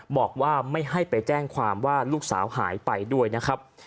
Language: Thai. บอกว่าไม่ให้ไปแจ้งความว่าลูกสาวหายไปด้วยนะครับ